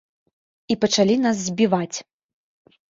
І пачалі нас збіваць.